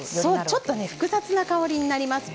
ちょっとね複雑な香りになります。